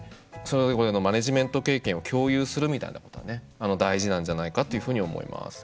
マネージメント経験を共有するみたいなことが大事なんじゃないかというふうに思います。